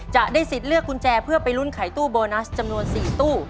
จะได้สิทธิ์เลือกกุญแจเพื่อไปลุ้นไขตู้โบนัสจำนวน๔ตู้